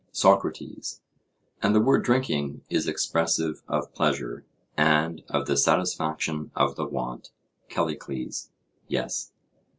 SOCRATES: And the word "drinking" is expressive of pleasure, and of the satisfaction of the want? CALLICLES: Yes.